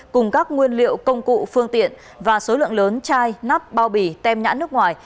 cùng các nguyên liệu công cụ phương tiện và số lượng lớn chai nắp bao bì tem nhãn nước ngoài